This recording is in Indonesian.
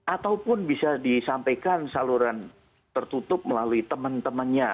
ataupun bisa disampaikan saluran tertutup melalui teman temannya